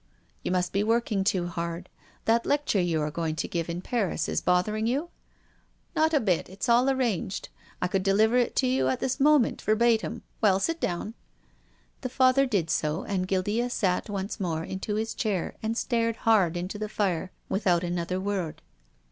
" You must be working too hard. That lecture you arc going to give in Paris is bothering you ?"" Not a bit. It's all arranged. I could deliver it to you at this moment verbatim. Well, sit down." The Father did so, and Guildea sank once more into his chair and stared hard into the fire with out another word.